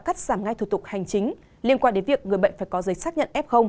cắt giảm ngay thủ tục hành chính liên quan đến việc người bệnh phải có giấy xác nhận f